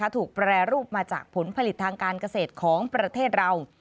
แปรรูปมาจากผลผลิตทางการเกษตรของประเทศเรา